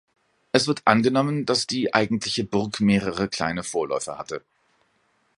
Es wird angenommen, dass die eigentliche Burg mehrere kleine Vorläufer hatte.